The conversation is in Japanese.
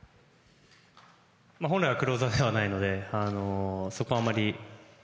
本来はクローザーではないのでそこはあまり。